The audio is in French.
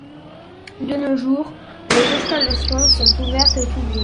De nos jours, les installations sont ouvertes au public.